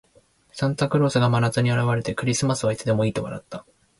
サンタクロースが真夏に現れて、「クリスマスはいつでもいい」と笑った。